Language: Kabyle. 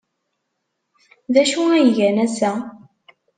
D acu ay gan ass-a?